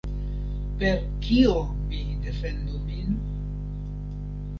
Per kio mi defendu min?